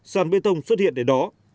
sàn bê tông xuất hiện đến đó